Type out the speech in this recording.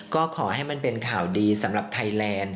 ก็ขอให้มันเป็นข่าวดีสำหรับไทยแลนด์